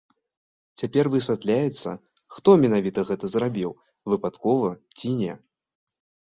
Цяпер высвятляецца, хто менавіта гэта зрабіў, выпадкова ці не.